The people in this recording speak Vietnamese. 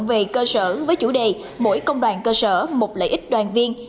về cơ sở với chủ đề mỗi công đoàn cơ sở một lợi ích đoàn viên